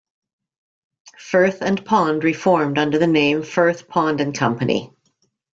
Firth and Pond reformed under the name Firth, Pond and Company.